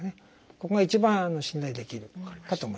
ここが一番信頼できるかと思います。